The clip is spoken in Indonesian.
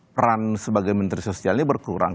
peran sebagai menteri sosial ini berkurang